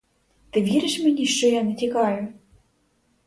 Ти віриш мені, що я не тікаю?